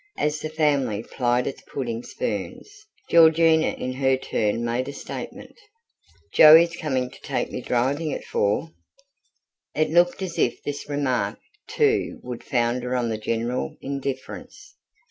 As the family plied its pudding spoons, Georgina in her turn made a statement. "Joey's coming to take me driving at four." It looked as if this remark, too, would founder on the general indifference.